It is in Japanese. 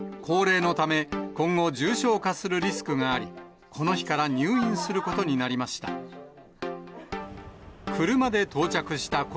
高齢のため、今後、重症化するリスクがあり、この日から入院することになりました。